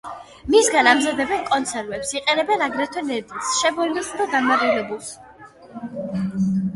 მისგან ამზადებენ კონსერვებს, იყენებენ აგრეთვე ნედლს, შებოლილს და დამარილებულს.